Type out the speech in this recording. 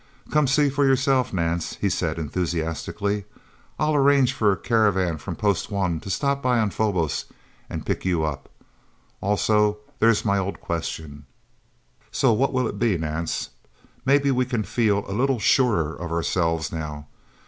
"Come see for yourself, Nance," he said enthusiastically. "I'll arrange for a caravan from Post One to stop by on Phobos and pick you up. Also there's my old question... So, what'll it be, Nance? Maybe we can feel a little surer of ourselves, now.